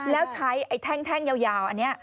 แล้วใช้ไอ้แท่งยาวอันนี้